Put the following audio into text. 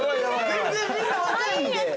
◆全然みんな若いんで。